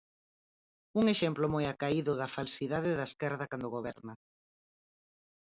Un exemplo moi acaído da falsidade da esquerda cando goberna.